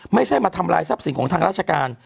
ไม่ใช่มาทำลายทรัพย์สินของทางราชการ